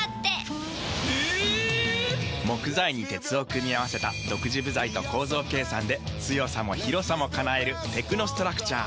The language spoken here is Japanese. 木材に鉄を組み合わせた独自部材と構造計算で強さも広さも叶えるテクノストラクチャー。